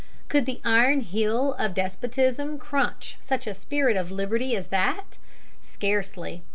Could the iron heel of despotism crunch such a spirit of liberty as that? Scarcely.